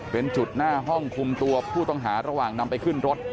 เป็นจุดหน้าห้องคุมตัวผู้ต้องหาระหว่างนำไปขึ้นรถ